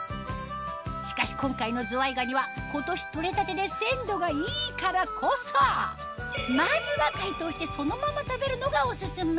しかし今回のずわいがには今年取れたてで鮮度がいいからこそまずは解凍してそのまま食べるのがオススメ